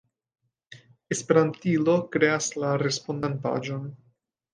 Esperantilo kreas la respondan paĝon.